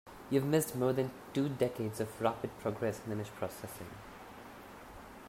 You have missed more than two decades of rapid progress in image processing.